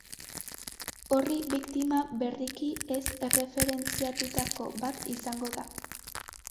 Orri biktima berriki ez erreferentziatutako bat izango da.